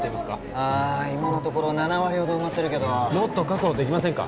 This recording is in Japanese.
ああ今のところ７割ほど埋まってるけどもっと確保できませんか？